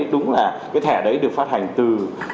đúng là cái thẻ đấy được phát hành từ